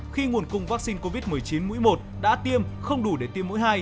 khi nguồn cung vaccine covid một mươi chín mũi một đã tiêm không đủ để tiêm mũi hai